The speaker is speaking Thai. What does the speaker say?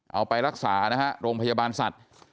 เอาไปรักษานะฮะโรงพยาบาลสัตว์